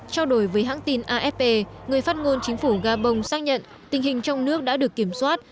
trao đổi với hãng tin afp người phát ngôn chính phủ gabon xác nhận tình hình trong nước đã được kiểm soát